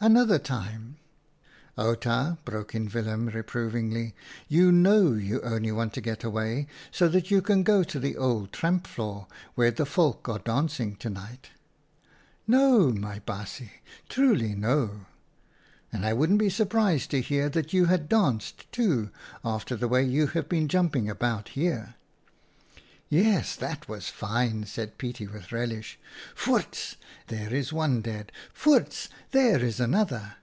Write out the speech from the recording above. Another time "" Outa," broke in Willem, reprovingly, M you know you only want to get away so that you can go to the old tramp floor, where the volk are dancing to night." " No, my baasje, truly no !"" And I wouldn't be surprised to hear that you had danced, too, after the way you have been jumping about here." 42 OUTA KAREL'S STORIES 11 Yes, that was fine," said Pietie, with relish. "' Voerts ! there is one dead ! Voerts ! there is another!'